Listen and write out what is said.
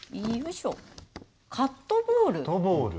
カットボール。